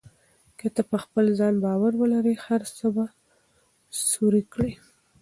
که ته په خپل ځان باور ولرې، هر غر به سوري کړې.